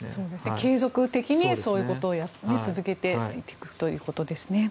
継続的にそういうことを続けていくということですね。